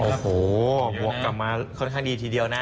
โอ้โหบวกกลับมาค่อนข้างดีทีเดียวนะ